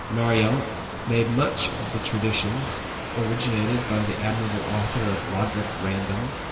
Marryalt made much of the traditions originated by the admirable author of '^Boderick Bandom."